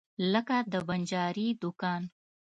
لکه د بنجاري دکان.